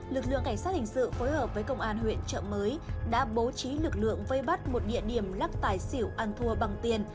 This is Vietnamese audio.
lực lượng cảnh sát hình sự phối hợp với công an huyện trợ mới đã bố trí lực lượng vây bắt một địa điểm lắc tài xỉu ăn thua bằng tiền